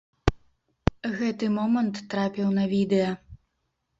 Гэты момант трапіў на відэа.